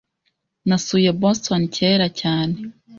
Nasuye Boston kera cyane. .